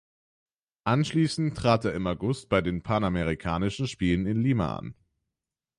Anschließend trat er im August bei den Panamerikanischen Spielen in Lima an.